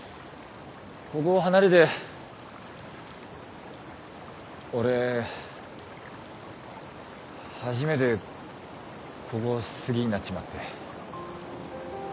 こごを離れて俺初めてこごを好ぎになっちまって。